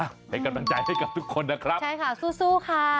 อ่ะให้กำลังใจให้กับทุกคนนะครับใช่ค่ะสู้ค่ะ